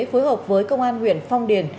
phối hợp với công an huyện phong điền